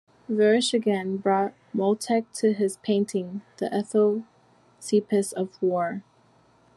Vereshchagin brought Moltke to his painting "The Apotheosis of War".